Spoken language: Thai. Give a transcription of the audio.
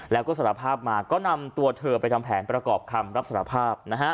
แล้วก็สารภาพมาก็นำตัวเธอไปทำแผนประกอบคำรับสารภาพ